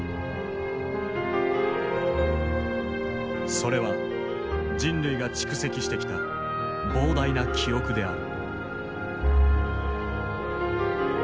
それは人類が蓄積してきた膨大な記憶である。